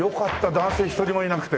男性一人もいなくて。